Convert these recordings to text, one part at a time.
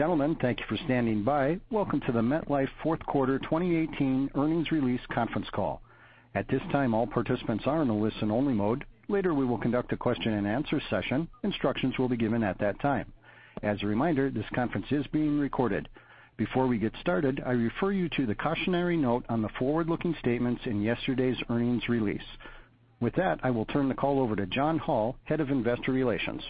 Gentlemen, thank you for standing by. Welcome to the MetLife fourth quarter 2018 earnings release conference call. At this time, all participants are in a listen-only mode. Later we will conduct a question and answer session. Instructions will be given at that time. As a reminder, this conference is being recorded. Before we get started, I refer you to the cautionary note on the forward-looking statements in yesterday's earnings release. With that, I will turn the call over to John Hall, Head of Investor Relations.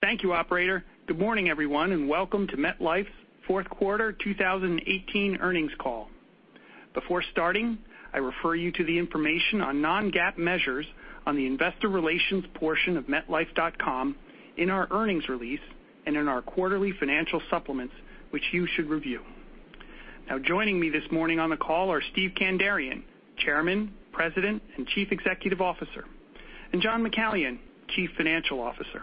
Thank you, operator. Good morning, everyone, and welcome to MetLife's fourth quarter 2018 earnings call. Before starting, I refer you to the information on non-GAAP measures on the investor relations portion of metlife.com, in our earnings release, and in our quarterly financial supplements, which you should review. Joining me this morning on the call are Steve Kandarian, Chairman, President, and Chief Executive Officer, and John McCallion, Chief Financial Officer.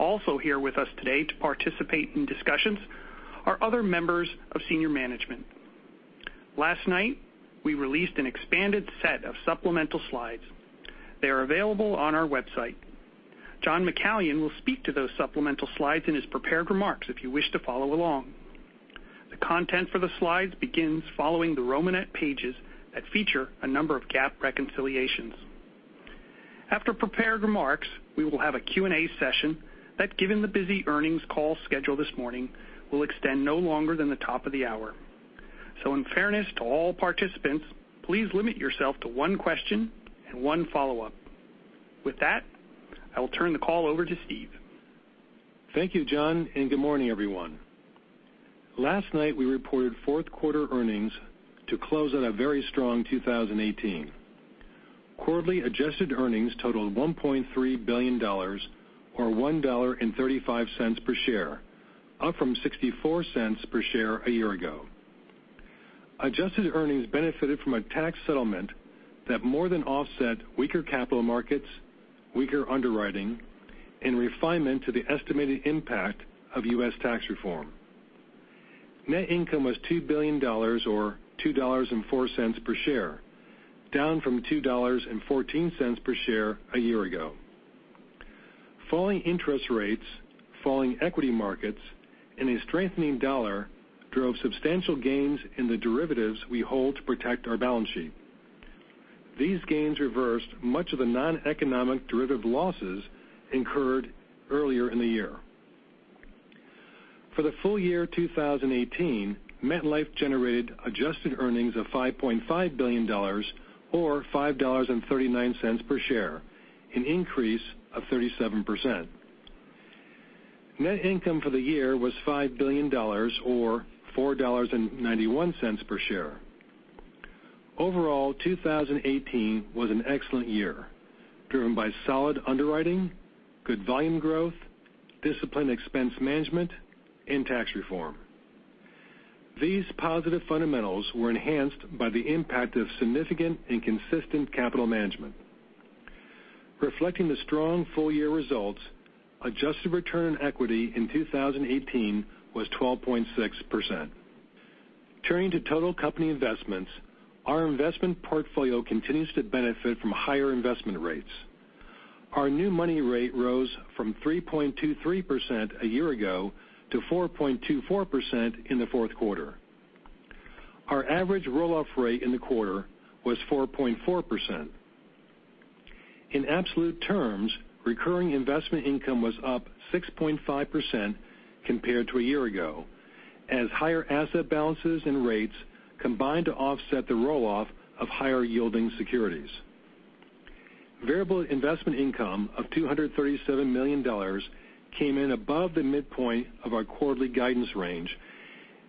Also here with us today to participate in discussions are other members of senior management. Last night, we released an expanded set of supplemental slides. They are available on our website. John McCallion will speak to those supplemental slides in his prepared remarks if you wish to follow along. The content for the slides begins following the romanette pages that feature a number of GAAP reconciliations. After prepared remarks, we will have a Q&A session that, given the busy earnings call schedule this morning, will extend no longer than the top of the hour. In fairness to all participants, please limit yourself to one question and one follow-up. With that, I will turn the call over to Steve. Thank you, John, and good morning, everyone. Last night, we reported fourth quarter earnings to close out a very strong 2018. Quarterly adjusted earnings totaled $1.3 billion, or $1.35 per share, up from $0.64 per share a year ago. Adjusted earnings benefited from a tax settlement that more than offset weaker capital markets, weaker underwriting, and refinement to the estimated impact of U.S. tax reform. Net income was $2 billion, or $2.04 per share, down from $2.14 per share a year ago. Falling interest rates, falling equity markets, and a strengthening dollar drove substantial gains in the derivatives we hold to protect our balance sheet. These gains reversed much of the non-economic derivative losses incurred earlier in the year. For the full year 2018, MetLife generated adjusted earnings of $5.5 billion, or $5.39 per share, an increase of 37%. Net income for the year was $5 billion, or $4.91 per share. Overall, 2018 was an excellent year, driven by solid underwriting, good volume growth, disciplined expense management, and tax reform. These positive fundamentals were enhanced by the impact of significant and consistent capital management. Reflecting the strong full-year results, adjusted return on equity in 2018 was 12.6%. Turning to total company investments, our investment portfolio continues to benefit from higher investment rates. Our new money rate rose from 3.23% a year ago to 4.24% in the fourth quarter. Our average roll-off rate in the quarter was 4.4%. In absolute terms, recurring investment income was up 6.5% compared to a year ago, as higher asset balances and rates combined to offset the roll-off of higher yielding securities. Variable investment income of $237 million came in above the midpoint of our quarterly guidance range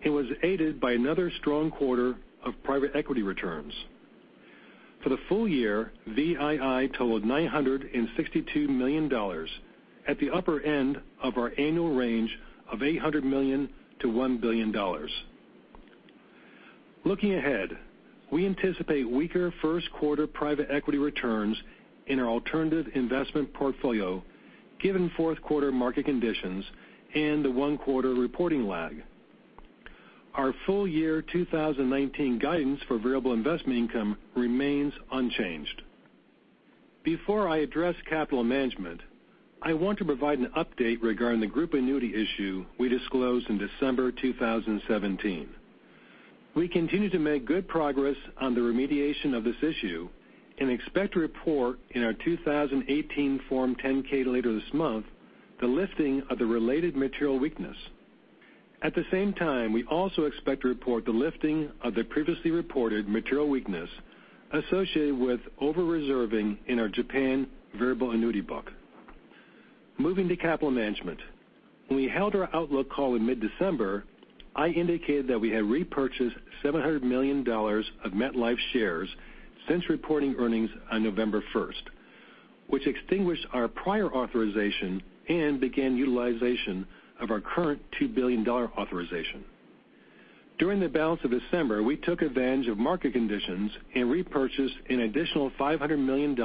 and was aided by another strong quarter of private equity returns. For the full year, VII totaled $962 million, at the upper end of our annual range of $800 million-$1 billion. Looking ahead, we anticipate weaker first quarter private equity returns in our alternative investment portfolio given fourth quarter market conditions and the one-quarter reporting lag. Our full-year 2019 guidance for variable investment income remains unchanged. Before I address capital management, I want to provide an update regarding the group annuity issue we disclosed in December 2017. We continue to make good progress on the remediation of this issue and expect to report in our 2018 Form 10-K later this month the lifting of the related material weakness. At the same time, we also expect to report the lifting of the previously reported material weakness associated with over-reserving in our Japan variable annuity book. Moving to capital management. When we held our outlook call in mid-December, I indicated that we had repurchased $700 million of MetLife shares since reporting earnings on November first, which extinguished our prior authorization and began utilization of our current $2 billion authorization. During the balance of December, we took advantage of market conditions and repurchased an additional $500 million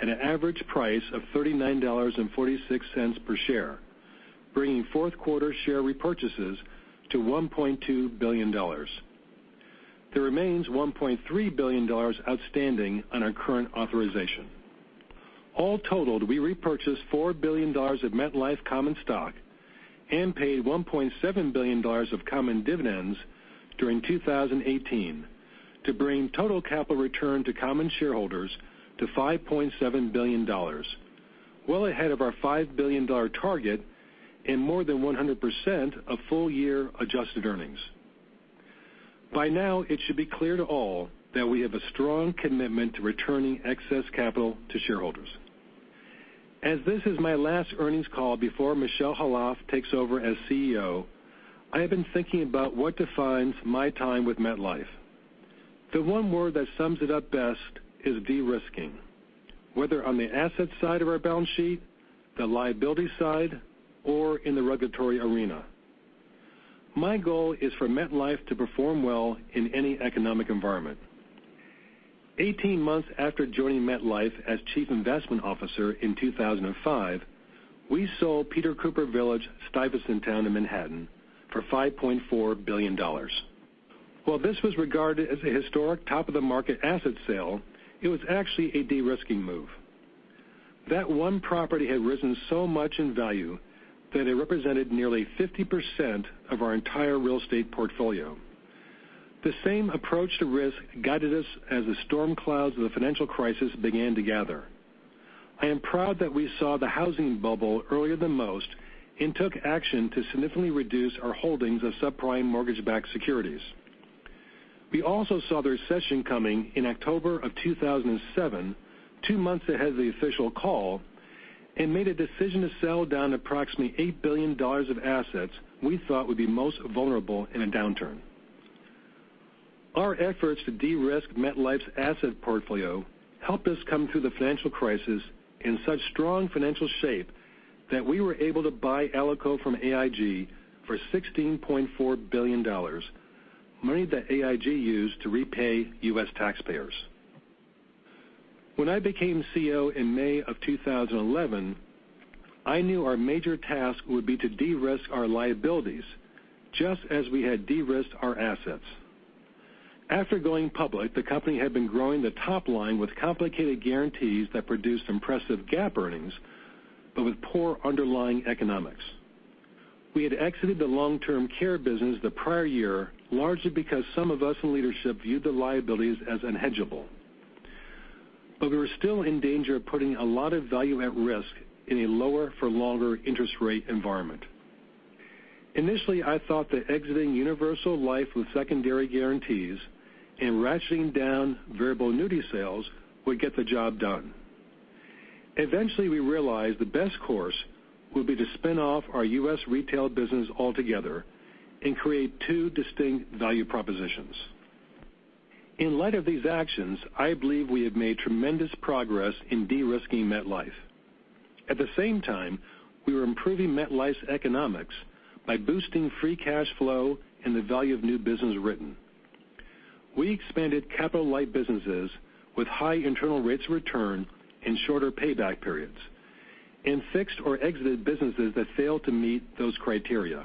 at an average price of $39.46 per share, bringing fourth quarter share repurchases to $1.2 billion. There remains $1.3 billion outstanding on our current authorization. All totaled, we repurchased $4 billion of MetLife common stock and paid $1.7 billion of common dividends during 2018 to bring total capital return to common shareholders to $5.7 billion, well ahead of our $5 billion target and more than 100% of full-year adjusted earnings. By now, it should be clear to all that we have a strong commitment to returning excess capital to shareholders. As this is my last earnings call before Michel Khalaf takes over as CEO, I have been thinking about what defines my time with MetLife. The one word that sums it up best is de-risking, whether on the asset side of our balance sheet, the liability side, or in the regulatory arena. My goal is for MetLife to perform well in any economic environment. 18 months after joining MetLife as chief investment officer in 2005, we sold Peter Cooper Village, Stuyvesant Town in Manhattan for $5.4 billion. While this was regarded as a historic top of the market asset sale, it was actually a de-risking move. That one property had risen so much in value that it represented nearly 50% of our entire real estate portfolio. The same approach to risk guided us as the storm clouds of the financial crisis began to gather. I am proud that we saw the housing bubble earlier than most and took action to significantly reduce our holdings of subprime mortgage-backed securities. We also saw the recession coming in October of 2007, two months ahead of the official call, and made a decision to sell down approximately $8 billion of assets we thought would be most vulnerable in a downturn. Our efforts to de-risk MetLife's asset portfolio helped us come through the financial crisis in such strong financial shape that we were able to buy Alico from AIG for $16.4 billion, money that AIG used to repay U.S. taxpayers. When I became CEO in May of 2011, I knew our major task would be to de-risk our liabilities just as we had de-risked our assets. After going public, the company had been growing the top line with complicated guarantees that produced impressive GAAP earnings, with poor underlying economics. We had exited the long-term care business the prior year, largely because some of us in leadership viewed the liabilities as unhedgeable. We were still in danger of putting a lot of value at risk in a lower for longer interest rate environment. Initially, I thought that exiting universal life with secondary guarantees and ratcheting down variable annuity sales would get the job done. Eventually, we realized the best course would be to spin off our U.S. retail business altogether and create two distinct value propositions. In light of these actions, I believe we have made tremendous progress in de-risking MetLife. At the same time, we were improving MetLife's economics by boosting free cash flow and the value of new business written. We expanded capital light businesses with high internal rates of return and shorter payback periods and fixed or exited businesses that failed to meet those criteria.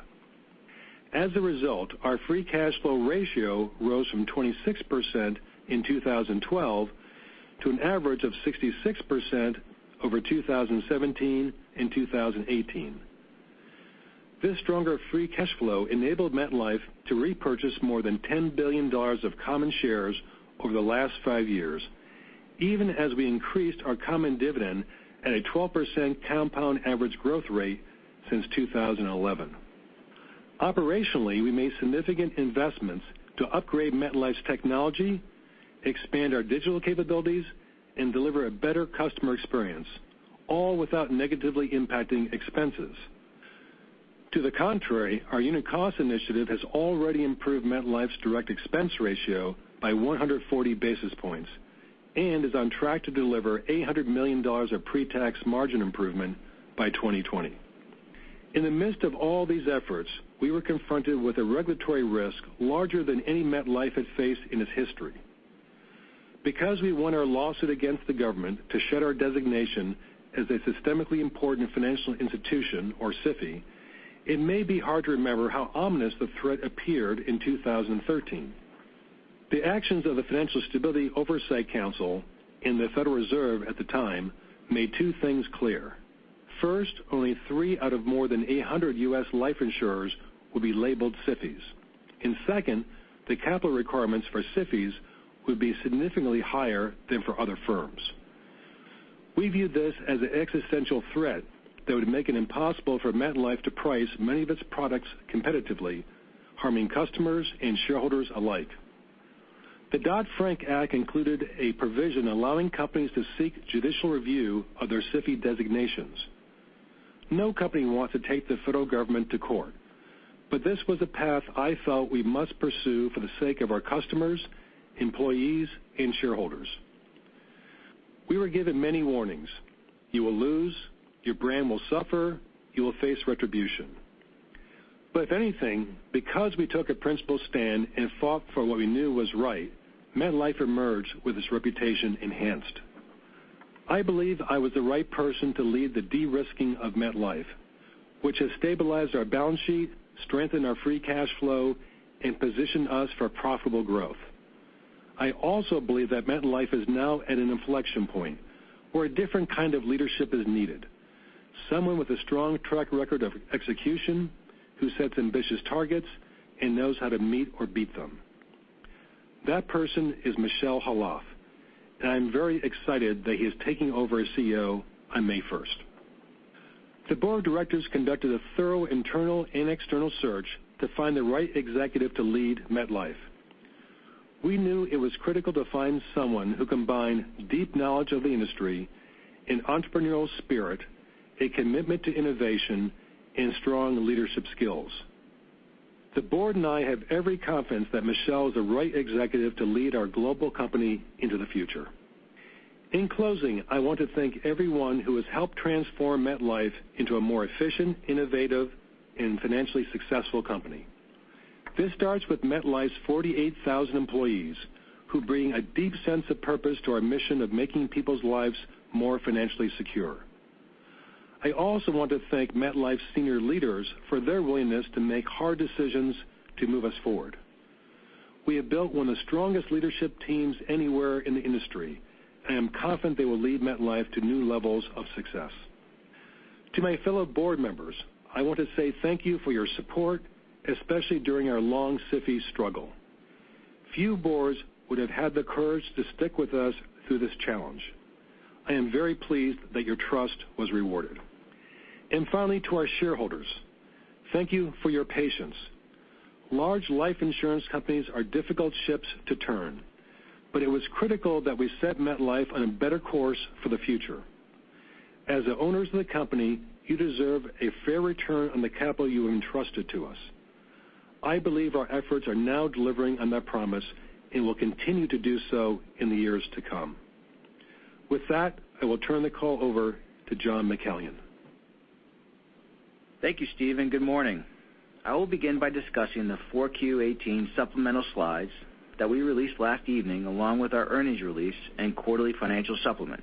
As a result, our free cash flow ratio rose from 26% in 2012 to an average of 66% over 2017 and 2018. This stronger free cash flow enabled MetLife to repurchase more than $10 billion of common shares over the last 5 years, even as we increased our common dividend at a 12% compound average growth rate since 2011. Operationally, we made significant investments to upgrade MetLife's technology, expand our digital capabilities, and deliver a better customer experience, all without negatively impacting expenses. To the contrary, our unit cost initiative has already improved MetLife's direct expense ratio by 140 basis points and is on track to deliver $800 million of pre-tax margin improvement by 2020. In the midst of all these efforts, we were confronted with a regulatory risk larger than any MetLife had faced in its history. We won our lawsuit against the government to shed our designation as a systemically important financial institution, or SIFI, it may be hard to remember how ominous the threat appeared in 2013. The actions of the Financial Stability Oversight Council and the Federal Reserve at the time made two things clear. First, only three out of more than 800 U.S. life insurers would be labeled SIFIs. Second, the capital requirements for SIFIs would be significantly higher than for other firms. We viewed this as an existential threat that would make it impossible for MetLife to price many of its products competitively, harming customers and shareholders alike. The Dodd-Frank Act included a provision allowing companies to seek judicial review of their SIFI designations. No company wants to take the federal government to court, but this was a path I felt we must pursue for the sake of our customers, employees, and shareholders. We were given many warnings. You will lose. Your brand will suffer. You will face retribution. If anything, because we took a principled stand and fought for what we knew was right, MetLife emerged with its reputation enhanced. I believe I was the right person to lead the de-risking of MetLife, which has stabilized our balance sheet, strengthened our free cash flow, and positioned us for profitable growth. I also believe that MetLife is now at an inflection point where a different kind of leadership is needed. Someone with a strong track record of execution, who sets ambitious targets and knows how to meet or beat them. That person is Michel Khalaf, and I'm very excited that he is taking over as CEO on May 1st. The board of directors conducted a thorough internal and external search to find the right executive to lead MetLife. We knew it was critical to find someone who combined deep knowledge of the industry, an entrepreneurial spirit, a commitment to innovation, and strong leadership skills. The board and I have every confidence that Michel is the right executive to lead our global company into the future. In closing, I want to thank everyone who has helped transform MetLife into a more efficient, innovative, and financially successful company. This starts with MetLife's 48,000 employees, who bring a deep sense of purpose to our mission of making people's lives more financially secure. I also want to thank MetLife senior leaders for their willingness to make hard decisions to move us forward. We have built one of the strongest leadership teams anywhere in the industry, and I'm confident they will lead MetLife to new levels of success. To my fellow board members, I want to say thank you for your support, especially during our long SIFI struggle. Few boards would have had the courage to stick with us through this challenge. I am very pleased that your trust was rewarded. Finally, to our shareholders, thank you for your patience. Large life insurance companies are difficult ships to turn, but it was critical that we set MetLife on a better course for the future. As the owners of the company, you deserve a fair return on the capital you entrusted to us. I believe our efforts are now delivering on that promise and will continue to do so in the years to come. With that, I will turn the call over to John McCallion. Thank you, Steve, and good morning. I will begin by discussing the 4Q18 supplemental slides that we released last evening, along with our earnings release and quarterly financial supplement.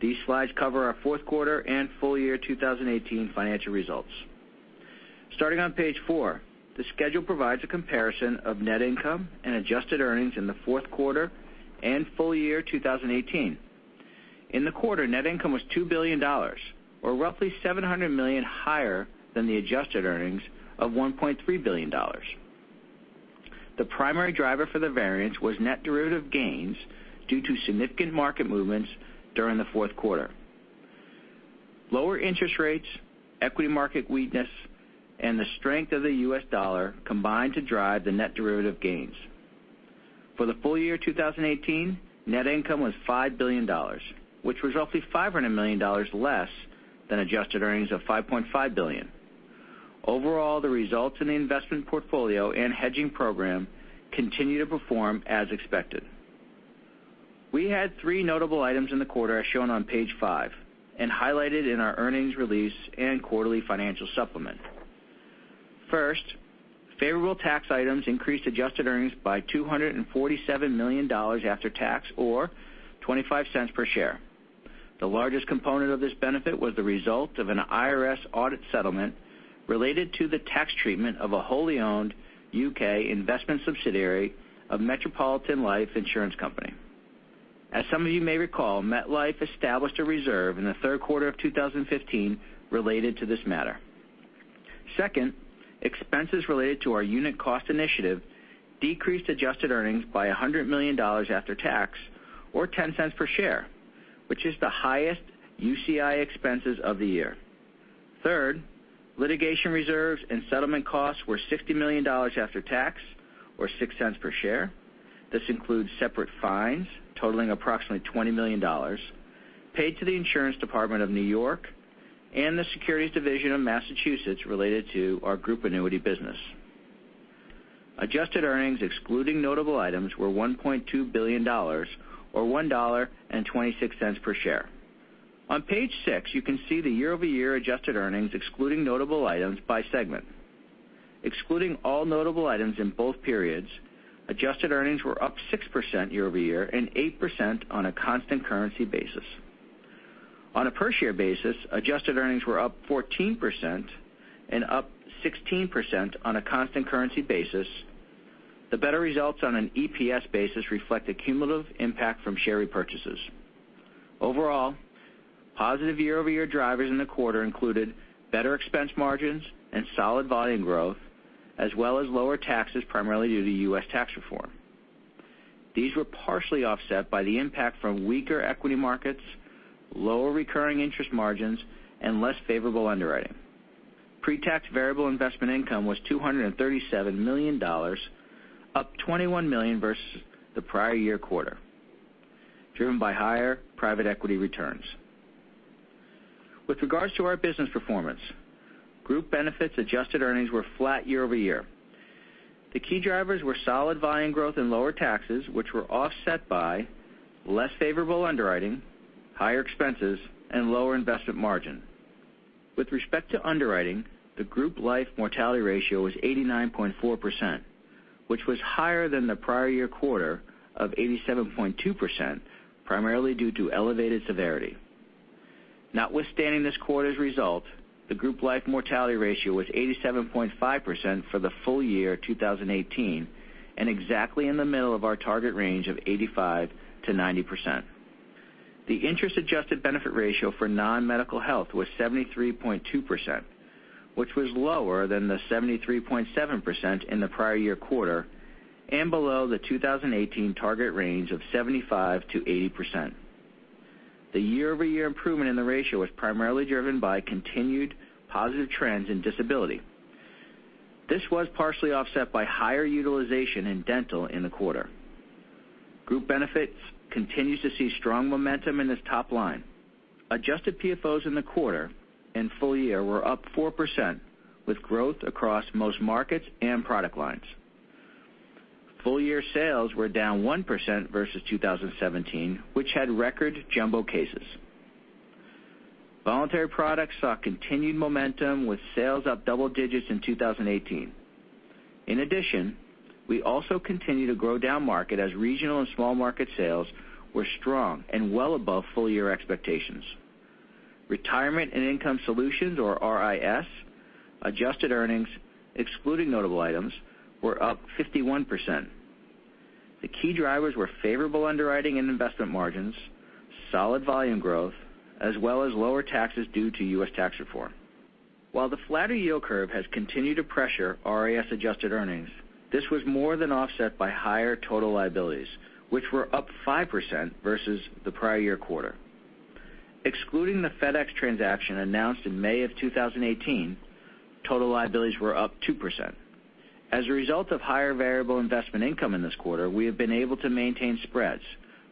These slides cover our fourth quarter and full year 2018 financial results. Starting on page four, the schedule provides a comparison of net income and adjusted earnings in the fourth quarter and full year 2018. In the quarter, net income was $2 billion, or roughly $700 million higher than the adjusted earnings of $1.3 billion. The primary driver for the variance was net derivative gains due to significant market movements during the fourth quarter. Lower interest rates, equity market weakness, and the strength of the U.S. dollar combined to drive the net derivative gains. For the full year 2018, net income was $5 billion, which was roughly $500 million less than adjusted earnings of $5.5 billion. Overall, the results in the investment portfolio and hedging program continue to perform as expected. We had three notable items in the quarter as shown on page five and highlighted in our earnings release and quarterly financial supplement. First, favorable tax items increased adjusted earnings by $247 million after tax, or $0.25 per share. The largest component of this benefit was the result of an IRS audit settlement related to the tax treatment of a wholly owned U.K. investment subsidiary of Metropolitan Life Insurance Company. As some of you may recall, MetLife established a reserve in the third quarter of 2015 related to this matter. Second, expenses related to our unit cost initiative decreased adjusted earnings by $100 million after tax, or $0.10 per share, which is the highest UCI expenses of the year. Third, litigation reserves and settlement costs were $60 million after tax, or $0.06 per share. This includes separate fines totaling approximately $20 million paid to the New York State Department of Financial Services and the Massachusetts Securities Division related to our group annuity business. Adjusted earnings, excluding notable items, were $1.2 billion, or $1.26 per share. On page six, you can see the year-over-year adjusted earnings excluding notable items by segment. Excluding all notable items in both periods, adjusted earnings were up 6% year-over-year and 8% on a constant currency basis. On a per share basis, adjusted earnings were up 14% and up 16% on a constant currency basis. The better results on an EPS basis reflect a cumulative impact from share repurchases. Overall, positive year-over-year drivers in the quarter included better expense margins and solid volume growth, as well as lower taxes, primarily due to U.S. tax reform. These were partially offset by the impact from weaker equity markets, lower recurring interest margins, and less favorable underwriting. Pre-tax variable investment income was $237 million, up $21 million versus the prior year quarter, driven by higher private equity returns. With regards to our business performance, group benefits adjusted earnings were flat year-over-year. The key drivers were solid volume growth and lower taxes, which were offset by less favorable underwriting, higher expenses, and lower investment margin. With respect to underwriting, the Group Life mortality ratio was 89.4%, which was higher than the prior year quarter of 87.2%, primarily due to elevated severity. Notwithstanding this quarter's result, the Group Life mortality ratio was 87.5% for the full year 2018, and exactly in the middle of our target range of 85%-90%. The interest-adjusted benefit ratio for non-medical health was 73.2%, which was lower than the 73.7% in the prior year quarter and below the 2018 target range of 75%-80%. The year-over-year improvement in the ratio was primarily driven by continued positive trends in disability. This was partially offset by higher utilization in dental in the quarter. Group Benefits continues to see strong momentum in this top line. Adjusted PFOs in the quarter and full year were up 4%, with growth across most markets and product lines. Full-year sales were down 1% versus 2017, which had record jumbo cases. Voluntary products saw continued momentum, with sales up double digits in 2018. In addition, we also continue to grow down market, as regional and small market sales were strong and well above full-year expectations. Retirement and Income Solutions, or RIS, adjusted earnings, excluding notable items, were up 51%. The key drivers were favorable underwriting and investment margins, solid volume growth, as well as lower taxes due to U.S. tax reform. While the flatter yield curve has continued to pressure RIS adjusted earnings, this was more than offset by higher total liabilities, which were up 5% versus the prior year quarter. Excluding the FedEx transaction announced in May of 2018, total liabilities were up 2%. As a result of higher variable investment income in this quarter, we have been able to maintain spreads,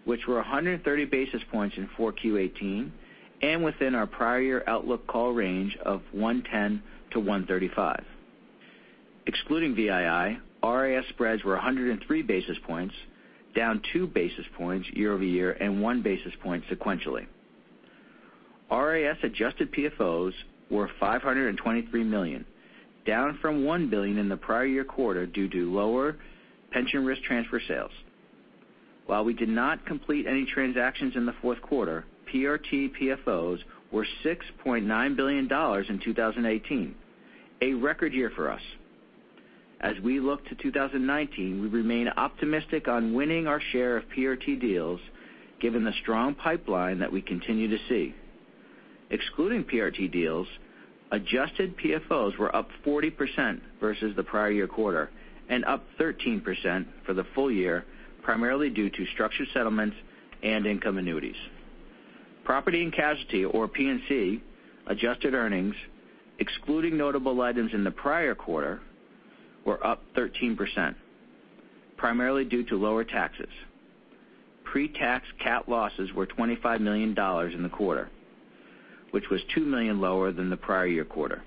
which were 130 basis points in Q4 2018 and within our prior year outlook call range of 110-135. Excluding VII, RIS spreads were 103 basis points, down 2 basis points year-over-year and 1 basis point sequentially. RIS adjusted PFOs were $523 million, down from $1 billion in the prior year quarter due to lower pension risk transfer sales. While we did not complete any transactions in the fourth quarter, PRT PFOs were $6.9 billion in 2018, a record year for us. As we look to 2019, we remain optimistic on winning our share of PRT deals given the strong pipeline that we continue to see. Excluding PRT deals, adjusted PFOs were up 40% versus the prior year quarter and up 13% for the full year, primarily due to structured settlements and income annuities. Property and Casualty, or P&C, adjusted earnings, excluding notable items in the prior quarter, were up 13%, primarily due to lower taxes. Pre-tax cat losses were $25 million in the quarter, which was $2 million lower than the prior year quarter.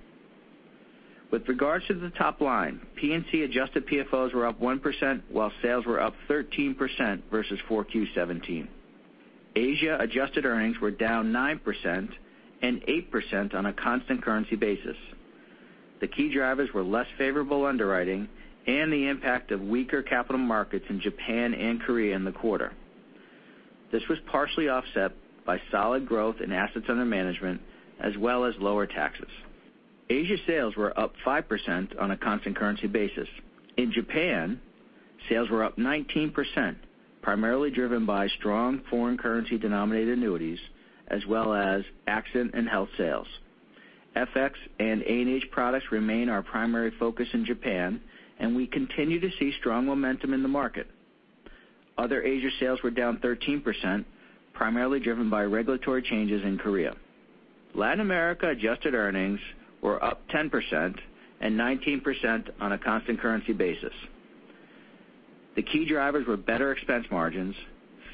With regards to the top line, P&C adjusted PFOs were up 1%, while sales were up 13% versus Q4 2017. Asia adjusted earnings were down 9% and 8% on a constant currency basis. The key drivers were less favorable underwriting and the impact of weaker capital markets in Japan and Korea in the quarter. This was partially offset by solid growth in assets under management as well as lower taxes. Asia sales were up 5% on a constant currency basis. In Japan, sales were up 19%, primarily driven by strong foreign currency denominated annuities as well as accident and health sales. FX and A&H products remain our primary focus in Japan, and we continue to see strong momentum in the market. Other Asia sales were down 13%, primarily driven by regulatory changes in Korea. Latin America adjusted earnings were up 10% and 19% on a constant currency basis. The key drivers were better expense margins,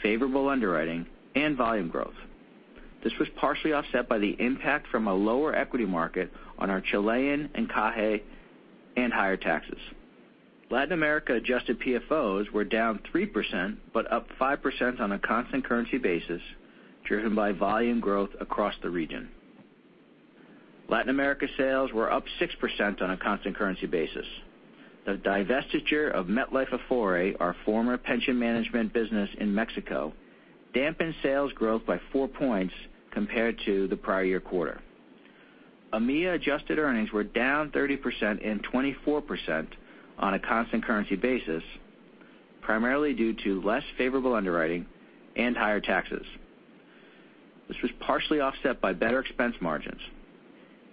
favorable underwriting, and volume growth. This was partially offset by the impact from a lower equity market on our Chilean encaje, and higher taxes. Latin America adjusted PFOs were down 3%, but up 5% on a constant currency basis, driven by volume growth across the region. Latin America sales were up 6% on a constant currency basis. The divestiture of MetLife Afore, our former pension management business in Mexico, dampened sales growth by four points compared to the prior year quarter. EMEA adjusted earnings were down 30% and 24% on a constant currency basis, primarily due to less favorable underwriting and higher taxes. This was partially offset by better expense margins.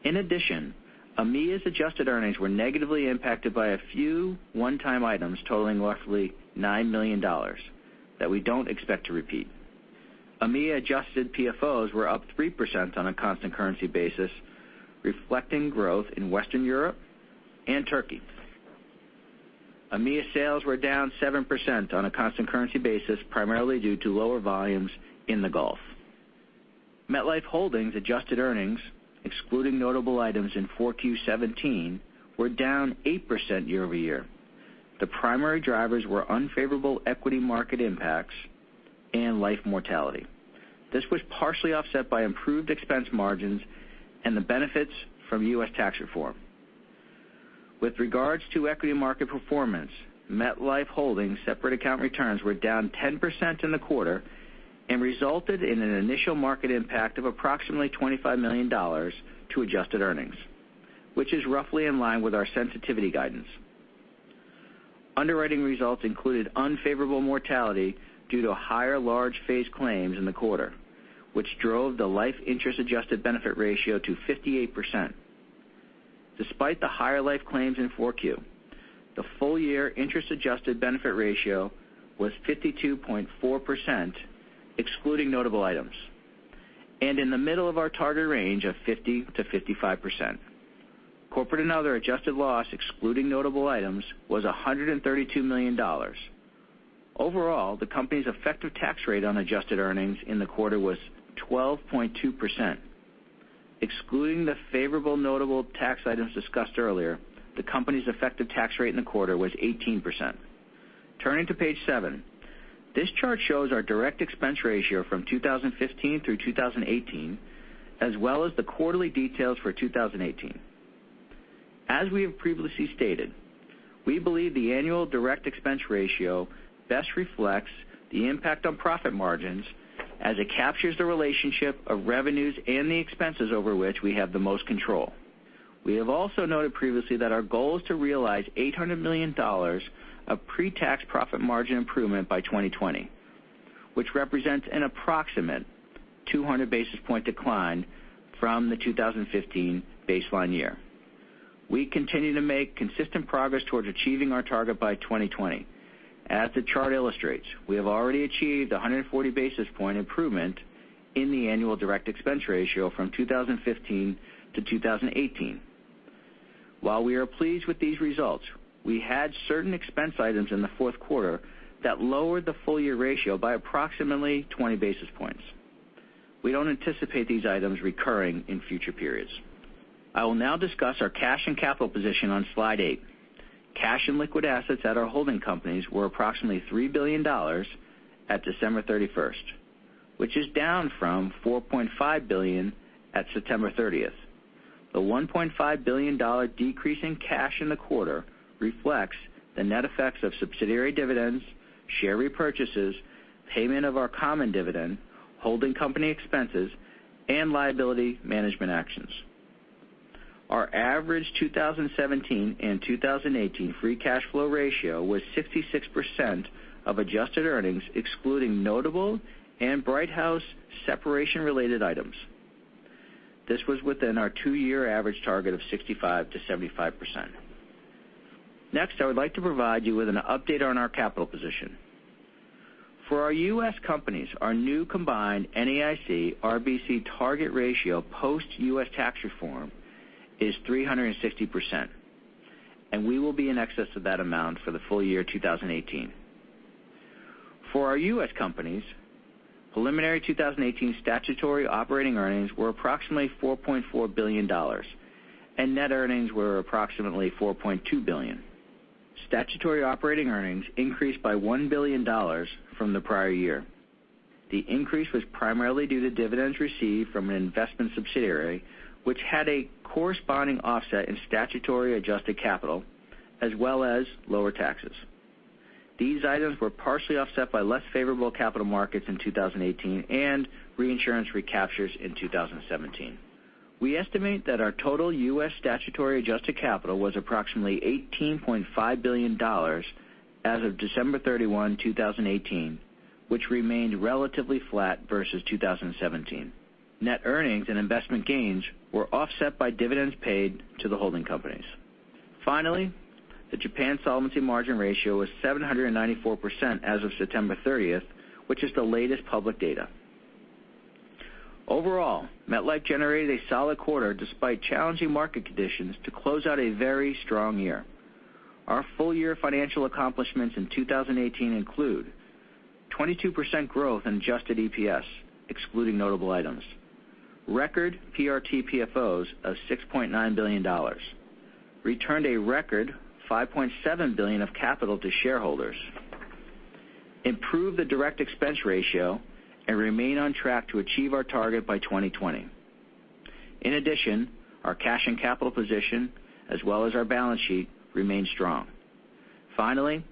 In addition, EMEA's adjusted earnings were negatively impacted by a few one-time items totaling roughly $9 million that we don't expect to repeat. EMEA adjusted PFOs were up 3% on a constant currency basis, reflecting growth in Western Europe and Turkey. EMEA sales were down 7% on a constant currency basis, primarily due to lower volumes in the Gulf. MetLife Holdings adjusted earnings, excluding notable items in Q4 2017, were down 8% year-over-year. The primary drivers were unfavorable equity market impacts and life mortality. This was partially offset by improved expense margins and the benefits from U.S. tax reform. With regards to equity market performance, MetLife Holdings separate account returns were down 10% in the quarter and resulted in an initial market impact of approximately $25 million to adjusted earnings, which is roughly in line with our sensitivity guidance. Underwriting results included unfavorable mortality due to higher large phase claims in the quarter, which drove the life interest adjusted benefit ratio to 58%. Despite the higher life claims in four Q, the full year interest-adjusted benefit ratio was 52.4%, excluding notable items, and in the middle of our target range of 50%-55%. Corporate and other adjusted loss, excluding notable items, was $132 million. Overall, the company's effective tax rate on adjusted earnings in the quarter was 12.2%. Excluding the favorable notable tax items discussed earlier, the company's effective tax rate in the quarter was 18%. Turning to page seven. This chart shows our direct expense ratio from 2015 through 2018, as well as the quarterly details for 2018. As we have previously stated, we believe the annual direct expense ratio best reflects the impact on profit margins as it captures the relationship of revenues and the expenses over which we have the most control. We have also noted previously that our goal is to realize $800 million of pre-tax profit margin improvement by 2020, which represents an approximate 200 basis point decline from the 2015 baseline year. We continue to make consistent progress towards achieving our target by 2020. As the chart illustrates, we have already achieved 140 basis point improvement in the annual direct expense ratio from 2015 to 2018. While we are pleased with these results, we had certain expense items in the fourth quarter that lowered the full year ratio by approximately 20 basis points. We don't anticipate these items recurring in future periods. I will now discuss our cash and capital position on slide eight. Cash and liquid assets at our holding companies were approximately $3 billion at December 31st, which is down from $4.5 billion at September 30th. The $1.5 billion decrease in cash in the quarter reflects the net effects of subsidiary dividends, share repurchases, payment of our common dividend, holding company expenses, and liability management actions. Our average 2017 and 2018 free cash flow ratio was 66% of adjusted earnings, excluding notable and Brighthouse separation-related items. This was within our two-year average target of 65%-75%. Next, I would like to provide you with an update on our capital position. For our U.S. companies, our new combined NAIC RBC target ratio post U.S. tax reform is 360%, and we will be in excess of that amount for the full year 2018. For our U.S. companies, preliminary 2018 statutory operating earnings were approximately $4.4 billion, and net earnings were approximately $4.2 billion. Statutory operating earnings increased by $1 billion from the prior year. The increase was primarily due to dividends received from an investment subsidiary, which had a corresponding offset in statutory adjusted capital as well as lower taxes. These items were partially offset by less favorable capital markets in 2018 and reinsurance recaptures in 2017. We estimate that our total U.S. statutory adjusted capital was approximately $18.5 billion as of December 31, 2018, which remained relatively flat versus 2017. Net earnings and investment gains were offset by dividends paid to the holding companies. Finally, the Japan solvency margin ratio was 794% as of September 30th, which is the latest public data. Overall, MetLife generated a solid quarter despite challenging market conditions to close out a very strong year. Our full year financial accomplishments in 2018 include 22% growth in adjusted EPS, excluding notable items, record PRT PFOs of $6.9 billion, returned a record $5.7 billion of capital to shareholders, improved the direct expense ratio, and remain on track to achieve our target by 2020. In addition, our cash and capital position, as well as our balance sheet, remain strong. Finally,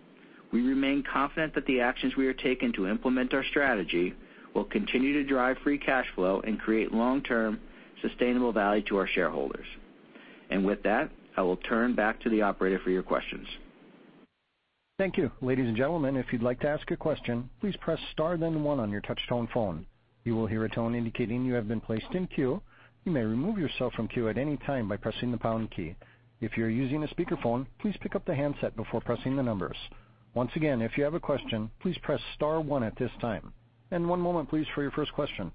we remain confident that the actions we are taking to implement our strategy will continue to drive free cash flow and create long-term sustainable value to our shareholders. With that, I will turn back to the operator for your questions. Thank you. Ladies and gentlemen, if you'd like to ask a question, please press star then one on your touchtone phone. You will hear a tone indicating you have been placed in queue. You may remove yourself from queue at any time by pressing the pound key. If you're using a speakerphone, please pick up the handset before pressing the numbers. Once again, if you have a question, please press star one at this time. One moment, please, for your first question.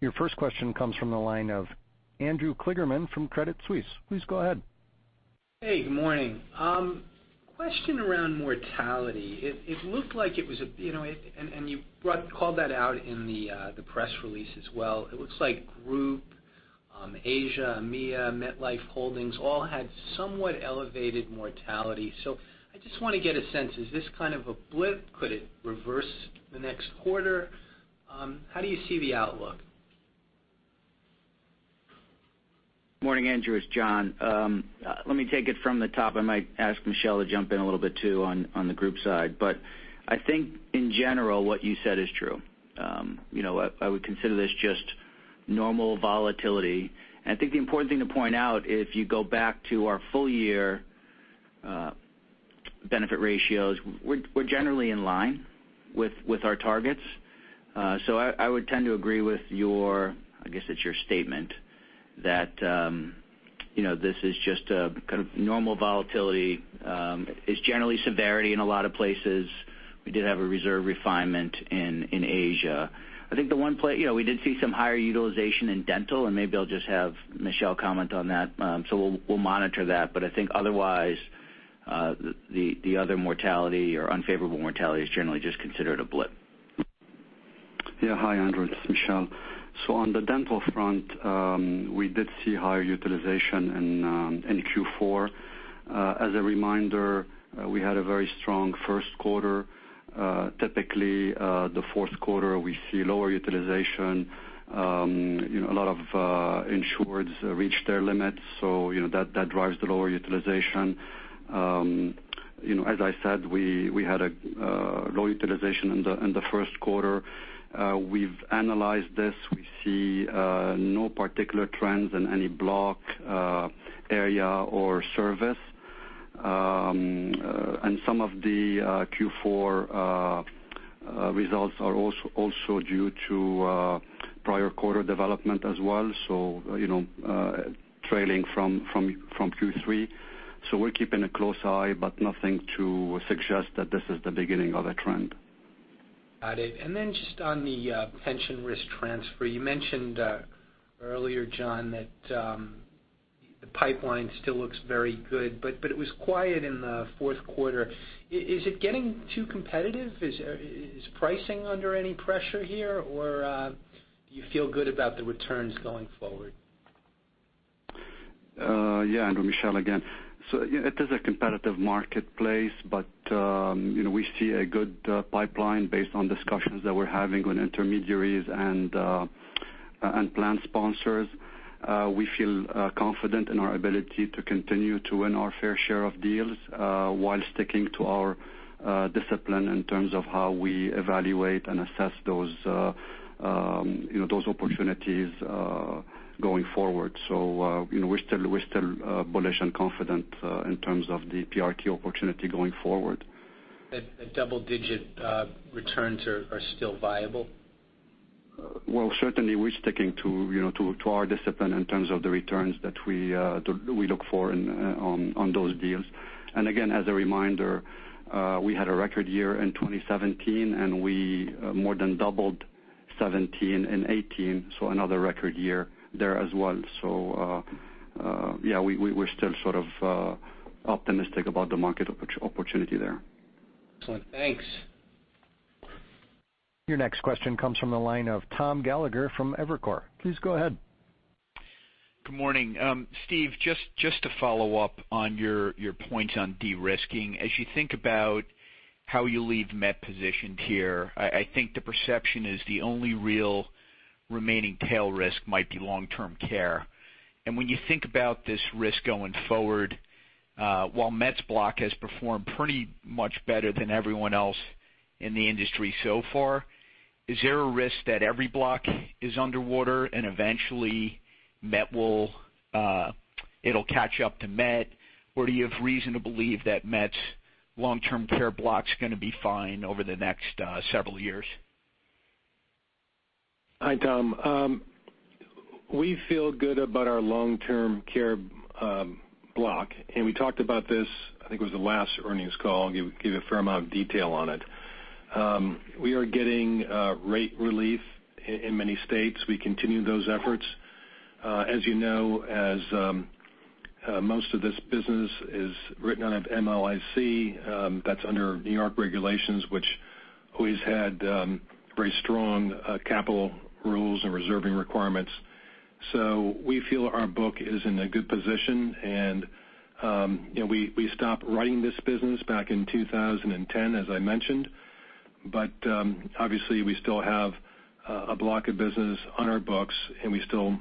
Your first question comes from the line of Andrew Kligerman from Credit Suisse. Please go ahead. Hey, good morning. Question around mortality. It looked like it was, and you called that out in the press release as well. It looks like Group, Asia, EMEA, MetLife Holdings all had somewhat elevated mortality. I just want to get a sense, is this kind of a blip? Could it reverse the next quarter? How do you see the outlook? Morning, Andrew, it's John. Let me take it from the top. I might ask Michel to jump in a little bit too on the group side. I think in general, what you said is true. I would consider this just normal volatility. I think the important thing to point out, if you go back to our full year benefit ratios, we're generally in line with our targets. I would tend to agree with your, I guess it's your statement that this is just a kind of normal volatility. It's generally severity in a lot of places. We did have a reserve refinement in Asia. I think the one place, we did see some higher utilization in dental, and maybe I'll just have Michel comment on that. We'll monitor that, but I think otherwise, the other mortality or unfavorable mortality is generally just considered a blip. Yeah. Hi, Andrew, it's Michel. On the dental front, we did see higher utilization in Q4. As a reminder, we had a very strong first quarter. Typically, the fourth quarter we see lower utilization. A lot of insureds reach their limits, so that drives the lower utilization. As I said, we had a low utilization in the first quarter. We've analyzed this. We see no particular trends in any block, area, or service. Some of the Q4 results are also due to prior quarter development as well, so trailing from Q3. We're keeping a close eye, but nothing to suggest that this is the beginning of a trend. Got it. Just on the pension risk transfer, you mentioned earlier, John, that the pipeline still looks very good, but it was quiet in the fourth quarter. Is it getting too competitive? Is pricing under any pressure here, or do you feel good about the returns going forward? Yeah, Andrew, Michel again. It is a competitive marketplace, but we see a good pipeline based on discussions that we're having with intermediaries and plan sponsors. We feel confident in our ability to continue to win our fair share of deals while sticking to our discipline in terms of how we evaluate and assess those opportunities going forward. We're still bullish and confident in terms of the PRT opportunity going forward. That double-digit returns are still viable? Well, certainly we're sticking to our discipline in terms of the returns that we look for on those deals. Again, as a reminder, we had a record year in 2017, and we more than doubled 2017 and 2018, another record year there as well. Yeah, we're still sort of optimistic about the market opportunity there. Excellent. Thanks. Your next question comes from the line of Tom Gallagher from Evercore. Please go ahead. Good morning. Steve, just to follow up on your points on de-risking. As you think about how you leave Met positioned here, I think the perception is the only real remaining tail risk might be long-term care. When you think about this risk going forward, while Met's block has performed pretty much better than everyone else in the industry so far, is there a risk that every block is underwater and eventually it'll catch up to Met? Do you have reason to believe that Met's long-term care block's going to be fine over the next several years? Hi, Tom. We feel good about our long-term care block, and we talked about this, I think it was the last earnings call, gave a fair amount of detail on it. We are getting rate relief in many states. We continue those efforts. As you know, as most of this business is written out of MLIC, that's under New York regulations, which always had very strong capital rules and reserving requirements. We feel our book is in a good position and we stopped writing this business back in 2010, as I mentioned, but obviously we still have a block of business on our books, and we still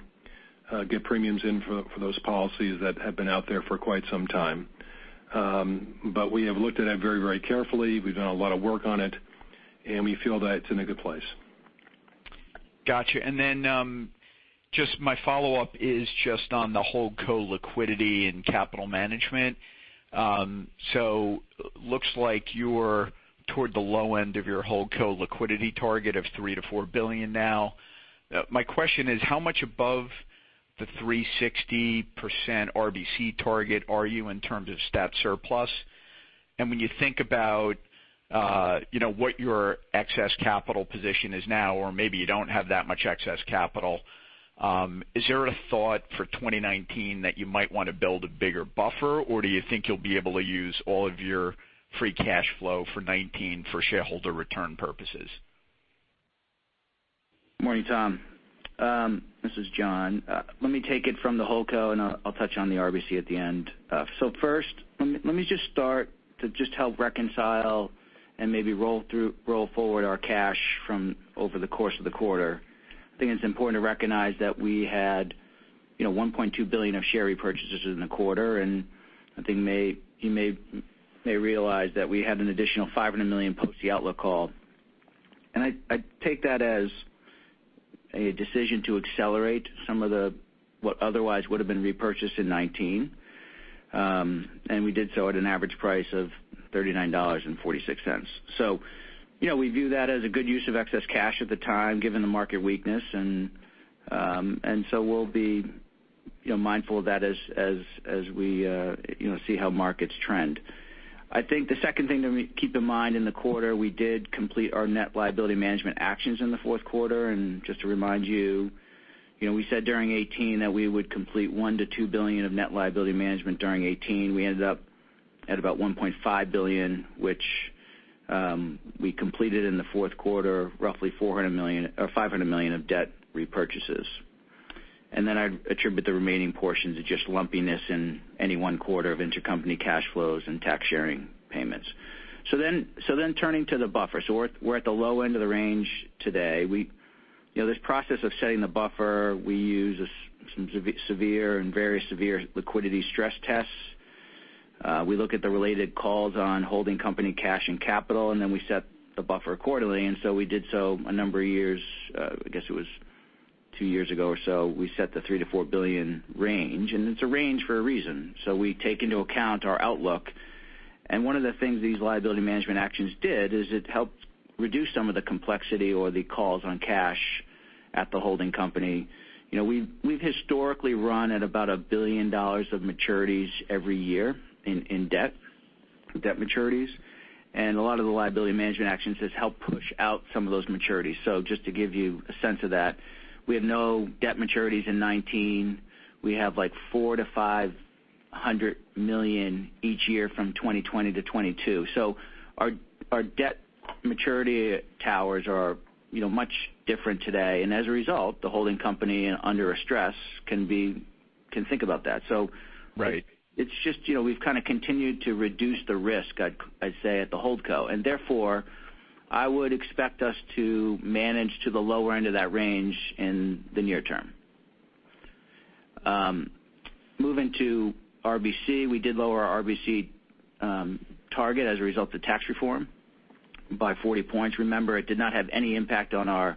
get premiums in for those policies that have been out there for quite some time. We have looked at it very carefully. We've done a lot of work on it, and we feel that it's in a good place. Got you. My follow-up is just on the holdco liquidity and capital management. Looks like you're toward the low end of your holdco liquidity target of $3 billion to $4 billion now. My question is, how much above the 360% RBC target are you in terms of stat surplus? When you think about what your excess capital position is now, or maybe you don't have that much excess capital, is there a thought for 2019 that you might want to build a bigger buffer, or do you think you'll be able to use all of your free cash flow for 2019 for shareholder return purposes? Morning, Tom. This is John. Let me take it from the Holdco, and I'll touch on the RBC at the end. First, let me just start to just help reconcile and maybe roll forward our cash from over the course of the quarter. I think it's important to recognize that we had $1.2 billion of share repurchases in the quarter, and I think you may realize that we had an additional $500 million post the outlook call. I take that as a decision to accelerate some of what otherwise would've been repurchased in 2019. We did so at an average price of $39.46. We view that as a good use of excess cash at the time, given the market weakness, and we'll be mindful of that as we see how markets trend. The second thing to keep in mind in the quarter, we did complete our net liability management actions in the fourth quarter. Just to remind you, we said during 2018 that we would complete $1 billion to $2 billion of net liability management during 2018. We ended up at about $1.5 billion, which we completed in the fourth quarter, roughly $500 million of debt repurchases. I'd attribute the remaining portions of just lumpiness in any one quarter of intercompany cash flows and tax sharing payments. Turning to the buffer. We're at the low end of the range today. This process of setting the buffer, we use some severe and very severe liquidity stress tests. We look at the related calls on holding company cash and capital, and we set the buffer quarterly. We did so a number of years, I guess it was two years ago or so, we set the $3 billion to $4 billion range, and it's a range for a reason. We take into account our outlook. One of the things these liability management actions did is it helped reduce some of the complexity or the calls on cash at the holding company. We've historically run at about $1 billion of maturities every year in debt maturities. A lot of the liability management actions has helped push out some of those maturities. Just to give you a sense of that, we have no debt maturities in 2019. We have like $400 million to $500 million each year from 2020 to 2022. Our debt maturity towers are much different today, and as a result, the holding company under a stress can think about that. Right. It's just we've kind of continued to reduce the risk, I'd say, at the Holdco, therefore, I would expect us to manage to the lower end of that range in the near term. Moving to RBC, we did lower our RBC target as a result of tax reform by 40 points. Remember, it did not have any impact on our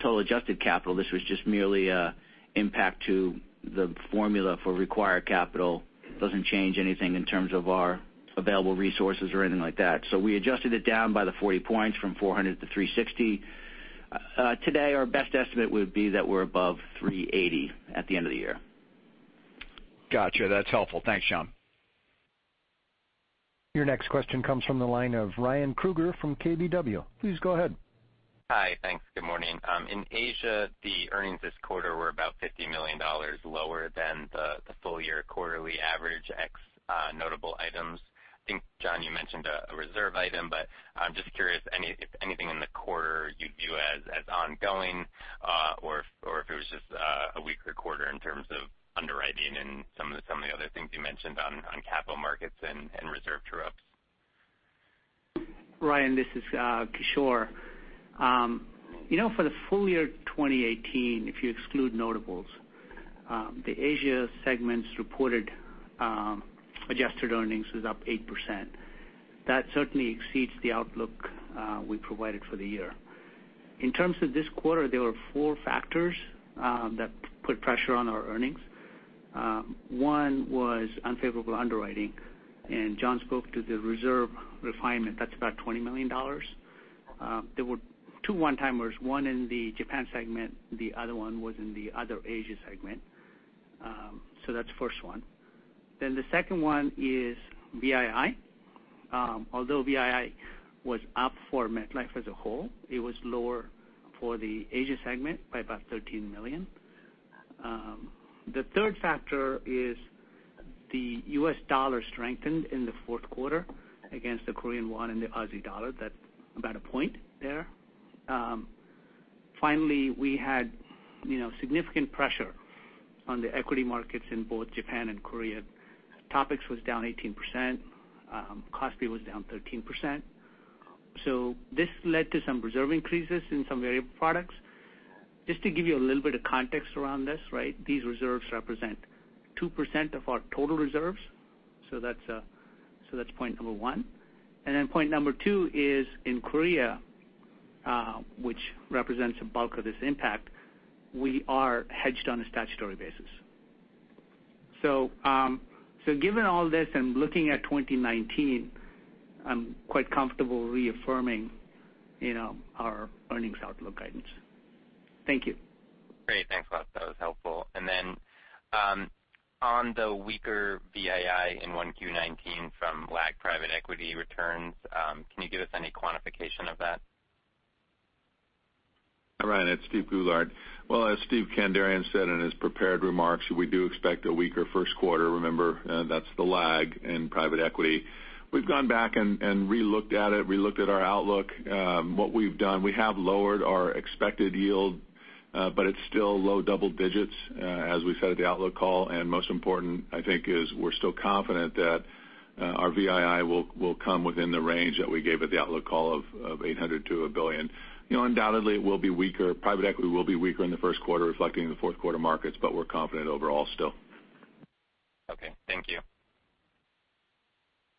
total adjusted capital. This was just merely an impact to the formula for required capital. Doesn't change anything in terms of our available resources or anything like that. So we adjusted it down by the 40 points from 400 to 360. Today, our best estimate would be that we're above 380 at the end of the year. Got you. That's helpful. Thanks, John. Your next question comes from the line of Ryan Krueger from KBW. Please go ahead. Hi. Thanks. Good morning. In Asia, the earnings this quarter were about $50 million lower than the full-year quarterly average ex notable items. I think, John, you mentioned a reserve item, but I'm just curious if anything in the quarter you'd view as ongoing, or if it was just a weaker quarter in terms of underwriting and some of the other things you mentioned on capital markets and reserve true-ups. Ryan, this is Kishore. For the full year 2018, if you exclude notables, the Asia segment's reported adjusted earnings is up 8%. That certainly exceeds the outlook we provided for the year. In terms of this quarter, there were four factors that put pressure on our earnings. One was unfavorable underwriting, and John spoke to the reserve refinement. That's about $20 million. There were two one-timers, one in the Japan segment, the other one was in the other Asia segment. That's the first one. The second one is VII. Although VII was up for MetLife as a whole, it was lower for the Asia segment by about $13 million. The third factor is the U.S. dollar strengthened in the fourth quarter against the Korean won and the Aussie dollar. That's about a point there. Finally, we had significant pressure on the equity markets in both Japan and Korea. TOPIX was down 18%, KOSPI was down 13%, this led to some reserve increases in some variable products. Just to give you a little bit of context around this, these reserves represent 2% of our total reserves, that's point number one. Point number two is in Korea, which represents a bulk of this impact, we are hedged on a statutory basis. Given all this and looking at 2019, I'm quite comfortable reaffirming our earnings outlook guidance. Thank you. Great. Thanks a lot. That was helpful. On the weaker VII in 1Q19 from lagged private equity returns, can you give us any quantification of that? Ryan, it's Steven Goulart. Well, as Steven Kandarian said in his prepared remarks, we do expect a weaker first quarter. Remember, that's the lag in private equity. We've gone back and re-looked at it. We looked at our outlook. What we've done, we have lowered our expected yield, but it's still low double digits, as we said at the outlook call. Most important, I think is we're still confident that our VII will come within the range that we gave at the outlook call of $800 million to $1 billion. Undoubtedly, it will be weaker. Private equity will be weaker in the first quarter reflecting the fourth quarter markets, but we're confident overall still. Okay, thank you.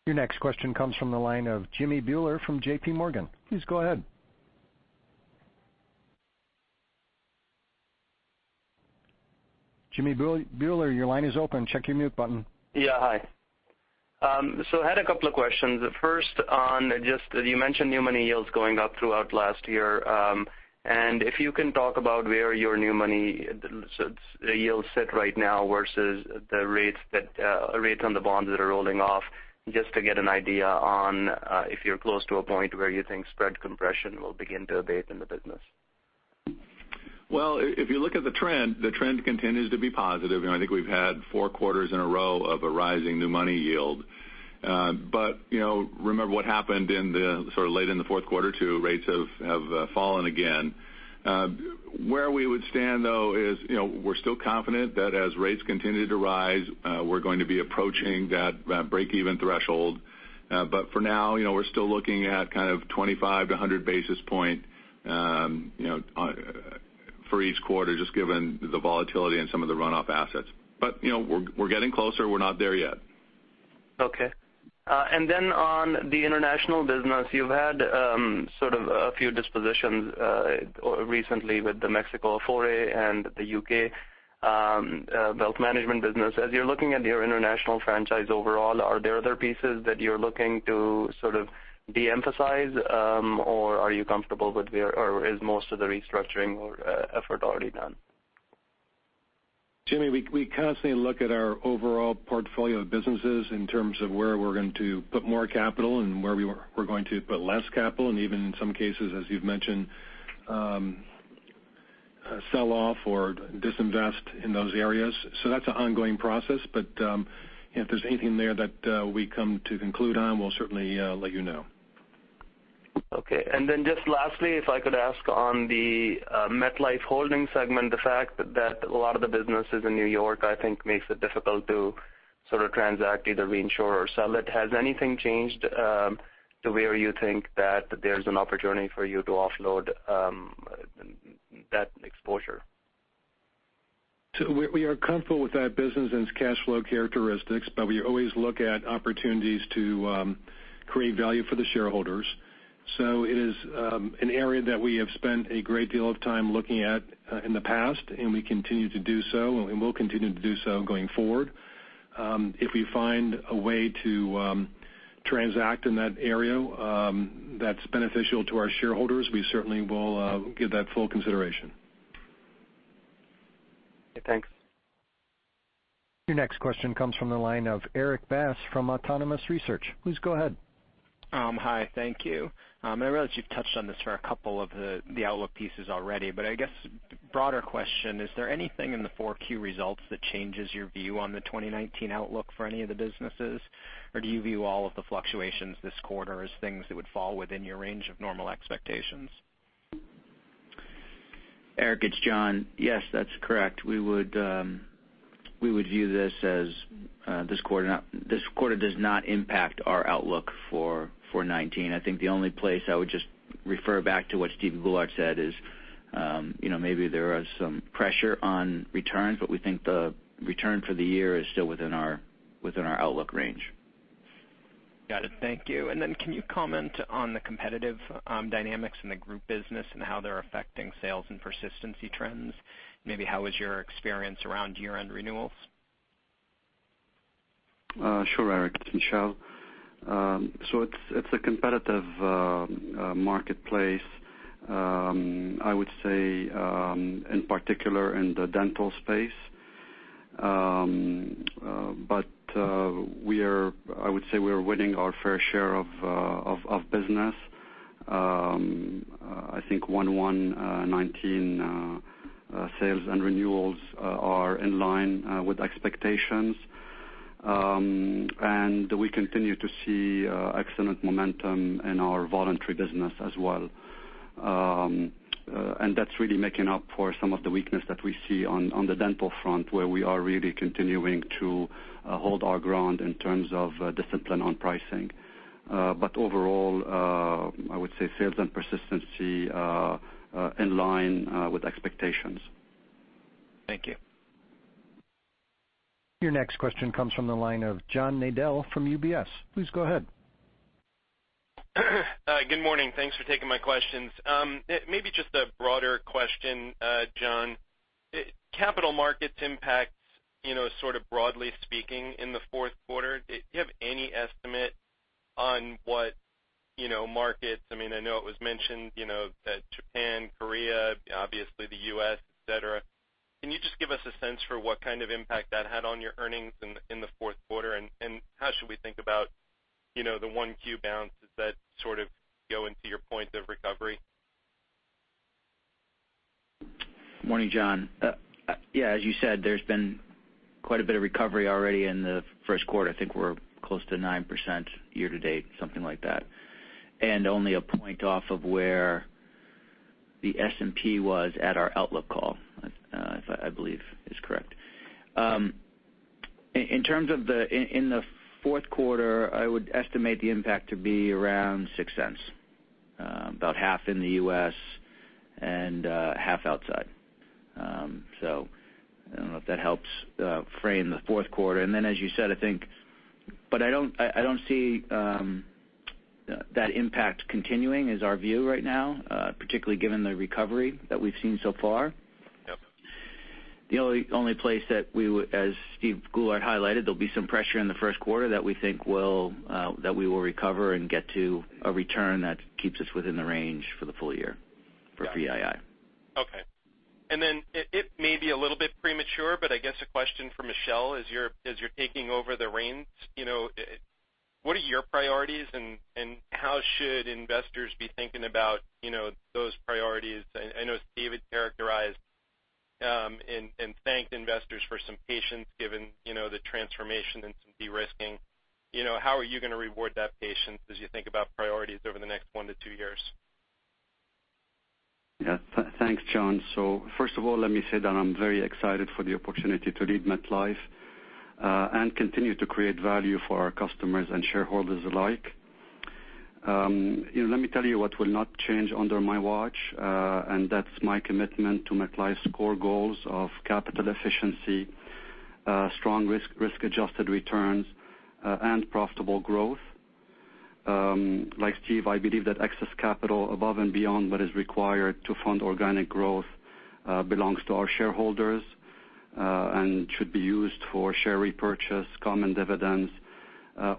Your next question comes from the line of Jimmy Bhullar from J.P. Morgan. Please go ahead. Jimmy Bhullar, your line is open. Check your mute button. Yeah. Hi. I had a couple of questions. First on just you mentioned new money yields going up throughout last year. If you can talk about where your new money yields sit right now versus the rates on the bonds that are rolling off, just to get an idea on if you're close to a point where you think spread compression will begin to abate in the business. Well, if you look at the trend, the trend continues to be positive, and I think we've had 4 quarters in a row of a rising new money yield. Remember what happened in the sort of late in the 4th quarter too, rates have fallen again. Where we would stand, though, is we're still confident that as rates continue to rise, we're going to be approaching that break-even threshold. For now, we're still looking at kind of 25 to 100 basis point for each quarter, just given the volatility and some of the runoff assets. We're getting closer. We're not there yet. Okay. On the international business, you've had sort of a few dispositions recently with the MetLife Afore and the U.K. wealth management business. As you're looking at your international franchise overall, are there other pieces that you're looking to sort of de-emphasize? Are you comfortable with, or is most of the restructuring effort already done? Jimmy, we constantly look at our overall portfolio of businesses in terms of where we're going to put more capital and where we're going to put less capital, and even in some cases, as you've mentioned, sell off or disinvest in those areas. That's an ongoing process, but if there's anything there that we come to conclude on, we'll certainly let you know. Okay. Just lastly, if I could ask on the MetLife Holdings segment, the fact that a lot of the businesses in New York, I think makes it difficult to sort of transact either reinsure or sell it. Has anything changed to where you think that there's an opportunity for you to offload that exposure? We are comfortable with that business and its cash flow characteristics, but we always look at opportunities to create value for the shareholders. It is an area that we have spent a great deal of time looking at in the past, and we continue to do so and will continue to do so going forward. If we find a way to transact in that area that's beneficial to our shareholders, we certainly will give that full consideration. Okay, thanks. Your next question comes from the line of Erik Bass from Autonomous Research. Please go ahead. Hi. Thank you. I realize you've touched on this for a couple of the outlook pieces already, but I guess broader question. Is there anything in the 4Q results that changes your view on the 2019 outlook for any of the businesses? Or do you view all of the fluctuations this quarter as things that would fall within your range of normal expectations? Erik, it's John. Yes, that's correct. We would view this as this quarter does not impact our outlook for 2019. I think the only place I would just refer back to what Steven Goulart said is maybe there is some pressure on returns, we think the return for the year is still within our outlook range. Got it. Thank you. Then can you comment on the competitive dynamics in the group business and how they're affecting sales and persistency trends? Maybe how was your experience around year-end renewals? Sure, Erik, it's Michel. It's a competitive marketplace, I would say, in particular in the dental space. I would say we're winning our fair share of business. I think 1/1/2019 sales and renewals are in line with expectations. We continue to see excellent momentum in our voluntary business as well. That's really making up for some of the weakness that we see on the dental front, where we are really continuing to hold our ground in terms of discipline on pricing. Overall, I would say sales and persistency are in line with expectations. Thank you. Your next question comes from the line of John Nadel from UBS. Please go ahead. Good morning. Thanks for taking my questions. Maybe just a broader question, John. Capital markets impacts sort of broadly speaking in the fourth quarter. Do you have any estimate on what markets, I know it was mentioned that Japan, Korea, obviously the U.S., et cetera. Can you just give us a sense for what kind of impact that had on your earnings in the fourth quarter, and how should we think about the 1Q bounce? Does that go into your point of recovery? Morning, John. Yeah, as you said, there's been quite a bit of recovery already in the first quarter. I think we're close to 9% year to date, something like that, and only a point off of where the S&P was at our outlook call, if I believe is correct. In the fourth quarter, I would estimate the impact to be around $0.06, about half in the U.S. and half outside. I don't know if that helps frame the fourth quarter. As you said, I think, I don't see that impact continuing, is our view right now, particularly given the recovery that we've seen so far. Yep. The only place that we would, as Steven Goulart highlighted, there will be some pressure in the first quarter that we think that we will recover and get to a return that keeps us within the range for the full year for PFOs. Okay. It may be a little bit premature, but I guess a question for Michel, as you're taking over the reins, what are your priorities and how should investors be thinking about those priorities? I know as Steve characterized and thanked investors for some patience given the transformation and some de-risking. How are you going to reward that patience as you think about priorities over the next one to two years? Yeah. Thanks, John. First of all, let me say that I'm very excited for the opportunity to lead MetLife, and continue to create value for our customers and shareholders alike. Let me tell you what will not change under my watch, and that's my commitment to MetLife's core goals of capital efficiency, strong risk-adjusted returns, and profitable growth. Like Steve, I believe that excess capital above and beyond what is required to fund organic growth belongs to our shareholders, and should be used for share repurchase, common dividends,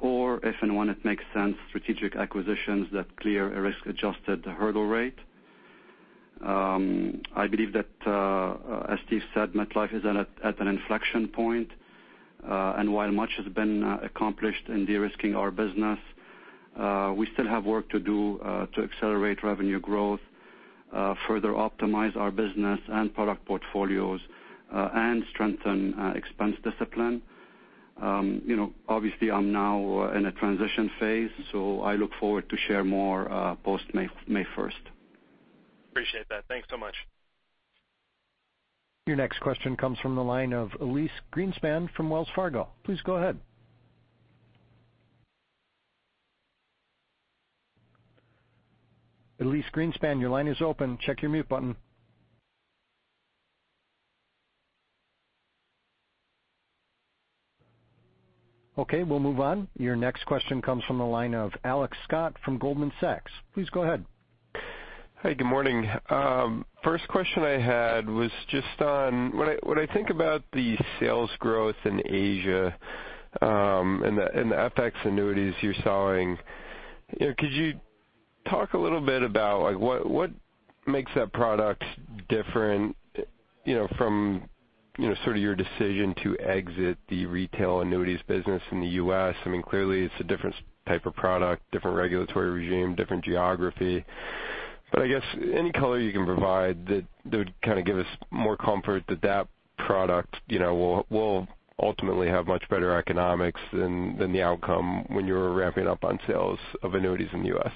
or if and when it makes sense, strategic acquisitions that clear a risk-adjusted hurdle rate. I believe that, as Steve said, MetLife is at an inflection point. While much has been accomplished in de-risking our business, we still have work to do to accelerate revenue growth, further optimize our business and product portfolios, and strengthen expense discipline. Obviously, I'm now in a transition phase, I look forward to share more post May 1st. Appreciate that. Thanks so much. Your next question comes from the line of Elyse Greenspan from Wells Fargo. Please go ahead. Elyse Greenspan, your line is open. Check your mute button. Okay, we'll move on. Your next question comes from the line of Alex Scott from Goldman Sachs. Please go ahead. Hi, good morning. First question I had was just on when I think about the sales growth in Asia, and the FX annuities you're selling, could you talk a little bit about what makes that product different from your decision to exit the retail annuities business in the U.S.? Clearly it's a different type of product, different regulatory regime, different geography. I guess any color you can provide that would kind of give us more comfort that product will ultimately have much better economics than the outcome when you were ramping up on sales of annuities in the U.S.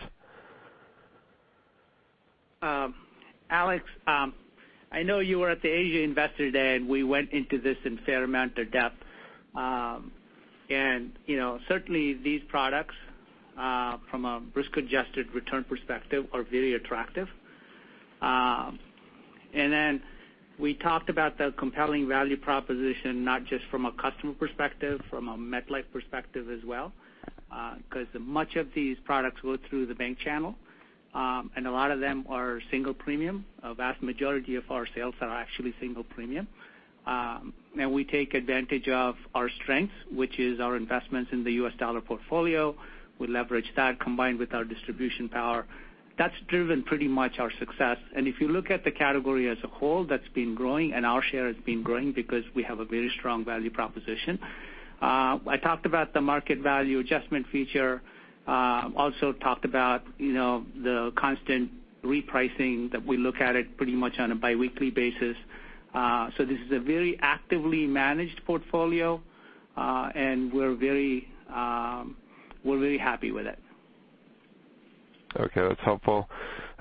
Alex, I know you were at the Asia Investor Day, we went into this in fair amount of depth. Certainly these products, from a risk-adjusted return perspective, are very attractive. We talked about the compelling value proposition, not just from a customer perspective, from a MetLife perspective as well, because much of these products go through the bank channel. A lot of them are single premium. A vast majority of our sales are actually single premium. We take advantage of our strength, which is our investments in the U.S. dollar portfolio. We leverage that combined with our distribution power. That's driven pretty much our success. If you look at the category as a whole, that's been growing and our share has been growing because we have a very strong value proposition. I talked about the market value adjustment feature. Also talked about the constant repricing that we look at it pretty much on a biweekly basis. This is a very actively managed portfolio, and we're very happy with it. Okay. That's helpful.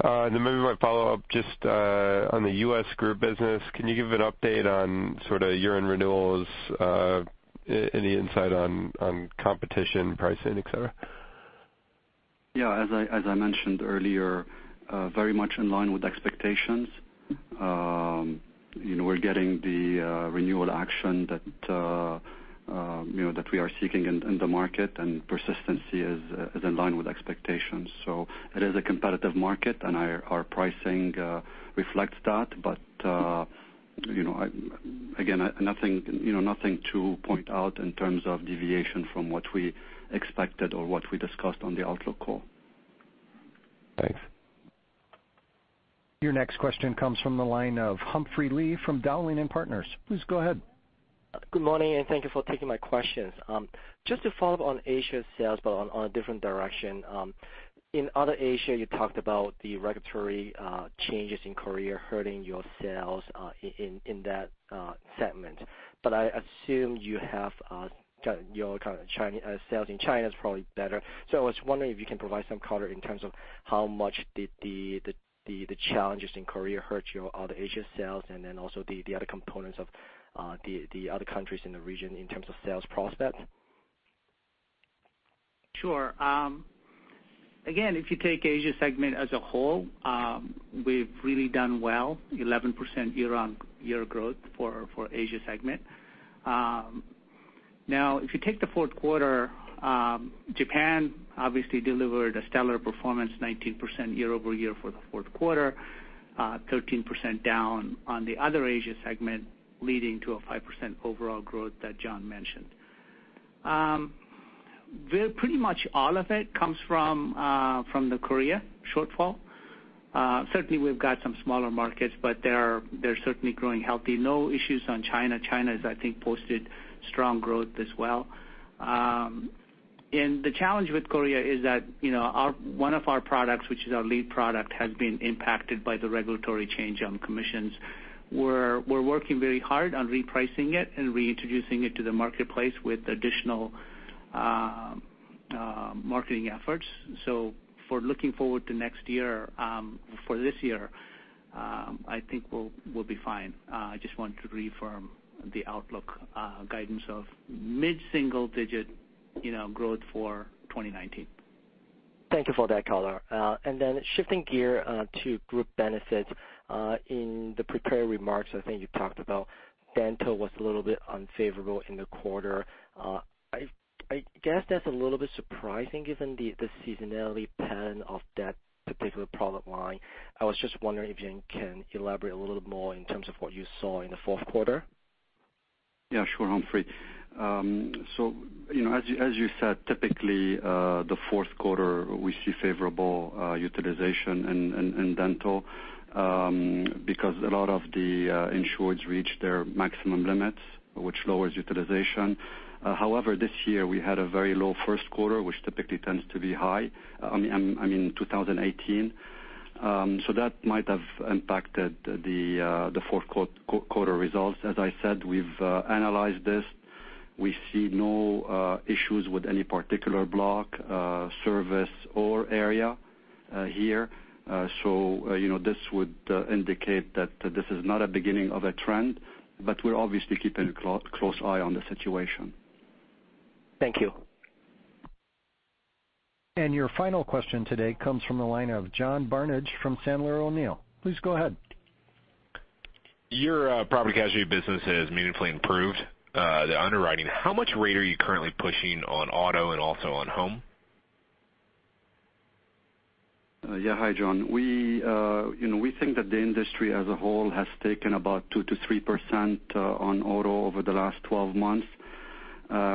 Then maybe my follow-up just on the U.S. group business. Can you give an update on year-end renewals? Any insight on competition, pricing, et cetera? Yeah, as I mentioned earlier, very much in line with expectations. We're getting the renewal action that we are seeking in the market, and persistency is in line expectations. It is a competitive market, and our pricing reflects that. Again, nothing to point out in terms of deviation from what we expected or what we discussed on the outlook call. Thanks. Your next question comes from the line of Humphrey Lee from Dowling & Partners. Please go ahead. Good morning, thank you for taking my questions. Just to follow up on Asia sales on a different direction. In other Asia, you talked about the regulatory changes in Korea hurting your sales in that segment. I assume your sales in China is probably better. I was wondering if you can provide some color in terms of how much did the challenges in Korea hurt your other Asia sales, and then also the other components of the other countries in the region in terms of sales prospects? Sure. If you take Asia segment as a whole, we've really done well, 11% year-on-year growth for Asia segment. If you take the fourth quarter, Japan obviously delivered a stellar performance, 19% year-over-year for the fourth quarter, 13% down on the other Asia segment, leading to a 5% overall growth that John mentioned. Pretty much all of it comes from the Korea shortfall. Certainly, we've got some smaller markets, but they're certainly growing healthy. No issues on China. China has, I think, posted strong growth as well. The challenge with Korea is that one of our products, which is our lead product, has been impacted by the regulatory change on commissions. We're working very hard on repricing it and reintroducing it to the marketplace with additional marketing efforts. For looking forward to next year, for this year, I think we'll be fine. I just want to reaffirm the outlook guidance of mid-single digit growth for 2019. Thank you for that color. Shifting gear to group benefits. In the prepared remarks, I think you talked about dental was a little bit unfavorable in the quarter. I guess that's a little bit surprising given the seasonality pattern of that particular product line. I was just wondering if you can elaborate a little more in terms of what you saw in the fourth quarter. Sure, Humphrey. As you said, typically the fourth quarter we see favorable utilization in dental because a lot of the insureds reach their maximum limits, which lowers utilization. However, this year we had a very low first quarter, which typically tends to be high, I mean 2018. That might have impacted the fourth quarter results. As I said, we've analyzed this. We see no issues with any particular block, service, or area here. This would indicate that this is not a beginning of a trend, but we're obviously keeping a close eye on the situation. Thank you. Your final question today comes from the line of John Barnidge from Sandler O'Neill. Please go ahead. Your Property and Casualty business has meaningfully improved the underwriting. How much rate are you currently pushing on auto and also on home? Yeah. Hi, John. We think that the industry as a whole has taken about 2%-3% on auto over the last 12 months.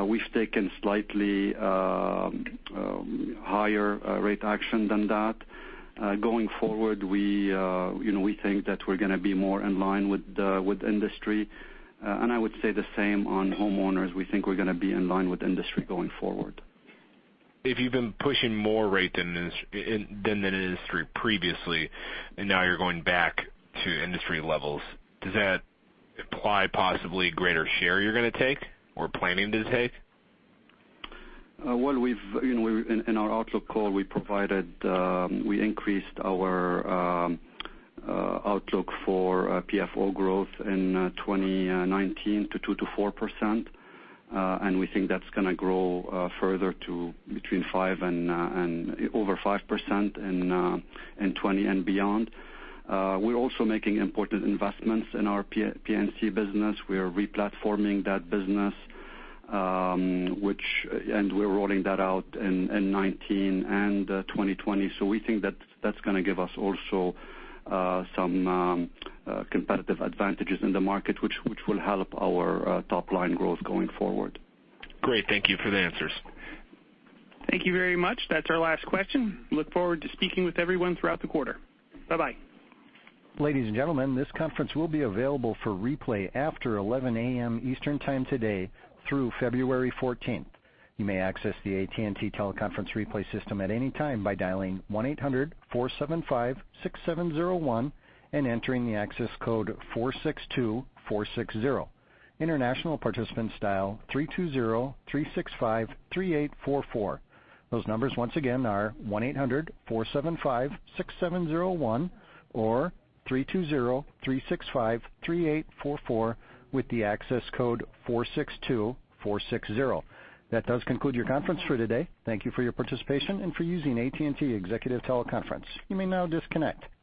We've taken slightly higher rate action than that. Going forward, we think that we're going to be more in line with the industry. I would say the same on homeowners. We think we're going to be in line with industry going forward. If you've been pushing more rate than the industry previously, and now you're going back to industry levels, does that imply possibly a greater share you're going to take or planning to take? In our outlook call, we increased our outlook for PFO growth in 2019 to 2%-4%. We think that's going to grow further to between 5% and over 5% in 2020 and beyond. We're also making important investments in our P&C business. We are re-platforming that business. We're rolling that out in 2019 and 2020. We think that that's going to give us also some competitive advantages in the market, which will help our top-line growth going forward. Great. Thank you for the answers. Thank you very much. That's our last question. Look forward to speaking with everyone throughout the quarter. Bye-bye. Ladies and gentlemen, this conference will be available for replay after 11:00 A.M. Eastern Time today through February 14th. You may access the AT&T teleconference replay system at any time by dialing 1-800-475-6701 and entering the access code 462460. International participants dial 3203653844. Those numbers once again are 1-800-475-6701 or 3203653844 with the access code 462460. That does conclude your conference for today. Thank you for your participation and for using AT&T Executive Teleconference. You may now disconnect.